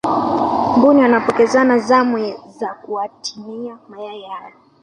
mbuni wanapokezana zamu za kuatamia mayai hayo